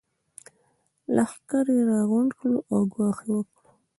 لښکر يې راغونډ کړ او ګواښ يې وکړ.